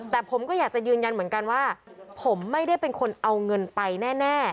แต่ผมก็อยากจะยืนยันเหมือนกันว่าผมไม่ได้เป็นคนเอาเงินไปแน่